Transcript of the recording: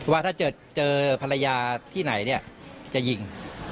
ว่าถ้าเจอภรรยาที่ไหนเนี่ยจะยิง